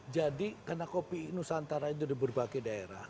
jadi karena kopi nusantara itu di berbagai daerah